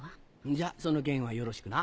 じゃその件はよろしくな。